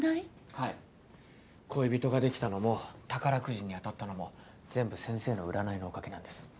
はい恋人が出来たのも宝くじに当たったのも全部先生の占いのおかげなんです。